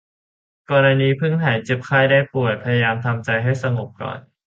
กรณีเพิ่งหายเจ็บไข้ได้ป่วยพยายามทำใจให้สงบก่อน